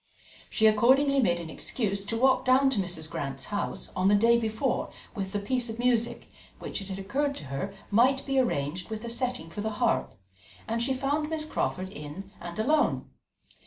She accordingly made an excuse to walk down to Mrs. Grant's house on the day before with the piece of music, which it had occurred to her might be arranged with a setting for the harp; and she found Miss Crawford in and alone.